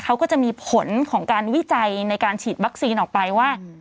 เขาก็จะมีผลของการวิจัยในการฉีดวัคซีนออกไปว่า